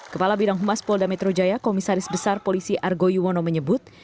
kepala bidang humas polda metro jaya komisaris besar polisi argo yuwono menyebut